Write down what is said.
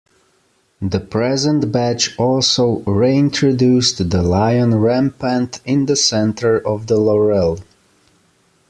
The present badge also reintroduced the lion rampant in the centre of the laurel.